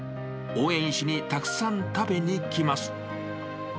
応援しにたくさん食べに来ます。